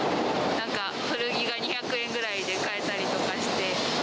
なんか、古着が２００円くらいで買えたりとかして。